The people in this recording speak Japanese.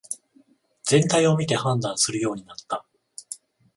全体を見て判断するようになった